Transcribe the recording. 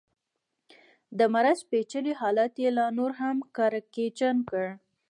د مرض پېچلی حالت یې لا نور هم کړکېچن کړ.